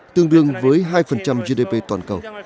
tương đương với hai gdp toàn cầu